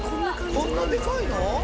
こんなデカいの？